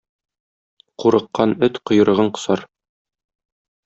Курыккан эт койрыгын кысар.